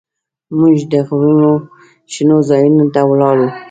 موږ د غرونو شنو ځايونو ته ولاړو.